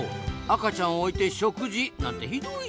赤ちゃんを置いて食事なんてひどいじゃないですか。